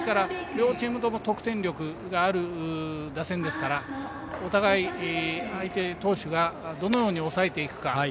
両チームとも得点力のある打線ですからお互い、相手投手がどのように抑えていくか。